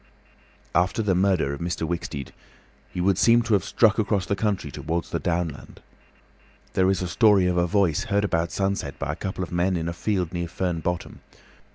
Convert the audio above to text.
After the murder of Mr. Wicksteed, he would seem to have struck across the country towards the downland. There is a story of a voice heard about sunset by a couple of men in a field near Fern Bottom.